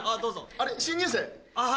あっ新入生？